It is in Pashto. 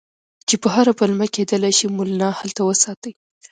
چې په هره پلمه کېدلای شي مولنا هلته وساتي.